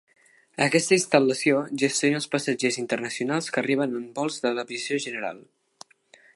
Aquesta instal·lació gestiona els passatgers internacionals que arriben en vols de l'aviació general.